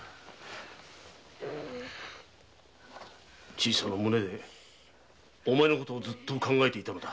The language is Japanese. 小さな胸でお前の事をずっと考えていたのだ。